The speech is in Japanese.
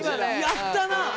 やったな！